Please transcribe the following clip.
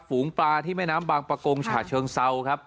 ฝูงปลาที่แม่น้ำบางประกงฉะเชิงเซาครับ